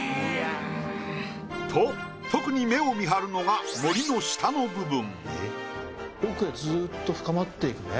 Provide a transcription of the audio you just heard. と特に目をみはるのが森の下の部分。